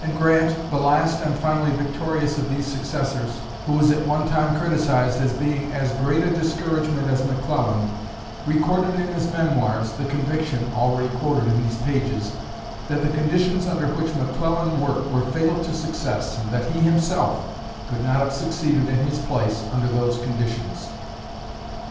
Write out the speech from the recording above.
And Grant, the last and finally victorious of these successors who was at one time criticized as being "as great a discouragement as McClellan" recorded in his Memoirs the conviction (already quoted in these pages) that the conditions under which McClellan worked were fatal to success, and that he himself could not have succeeded in his place under those conditions.